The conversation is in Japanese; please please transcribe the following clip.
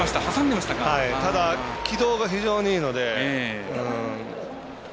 ただ、軌道が非常にいいので。